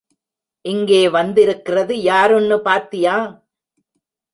இங்கே வந்திருக்கிறது யாருன்னு பாத்தியா?